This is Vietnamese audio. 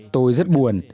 tôi rất buồn